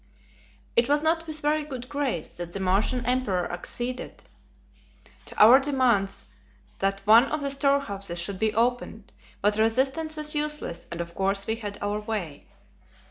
It was not with very good grace that the Martian Emperor acceded to our demands that one of the storehouses should be opened, but resistance was useless, and of course we had our way.